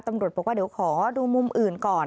ตำรวจบอกว่าเดี๋ยวขอดูมุมอื่นก่อน